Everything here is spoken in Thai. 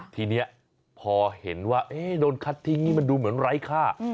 ทีนี้พอเห็นว่าโดนคัดทิ้งนี่มันดูเหมือนไร้ค่า